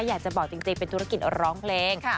อยากจะบอกจริงเป็นธุรกิจร้องเพลง